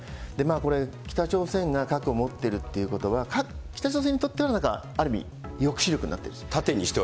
これ、北朝鮮が核を持ってるということは、北朝鮮にとっては、なんかある意味、抑止力になっている。